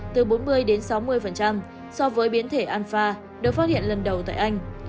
từ bốn mươi sáu mươi so với biến thể alpha được phát hiện lần đầu tại anh